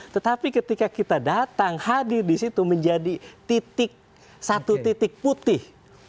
tetapi ketika kita datang hadir di situ menjadi titik satu titik putih